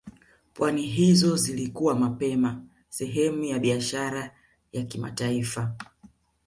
Pwani hizo zilikuwa mapema sehemu ya biashara ya kimataifa